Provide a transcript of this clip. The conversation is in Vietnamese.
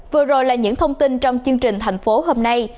vừa rồi là những thông tin trong chương trình thành phố hôm nay